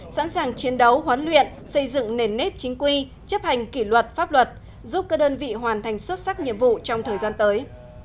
sẵn sàng chiến đấu hoán luyện xây dựng nền nếp chính quy chấp hành kỷ luật pháp luật giúp các đơn vị hoàn thành xuất sắc nhiệm vụ trong thời gian tới